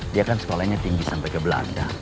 dia kan sekolahnya tinggi sampai ke belanda